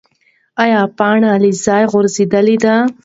ایا پاڼه له ځایه غورځېدلې ده؟